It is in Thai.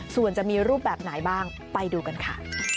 ส่วนจะมีรูปแบบไหนบ้างไปดูกันค่ะ